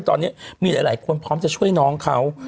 ตอนนี้มีหลายคนพร้อมจะช่วยน้องเขา